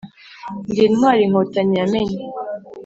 Ndi intwari Inkotanyi yamenye.